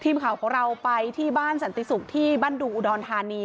ทีมข่าวของเราไปที่บ้านสันติศุกร์ที่บ้านดูอุดรธานี